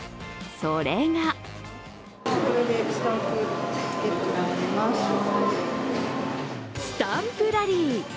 それがスタンプラリー。